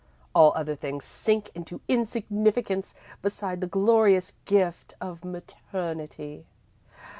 All other things sink into insignificance beside the glorious gift of maternity.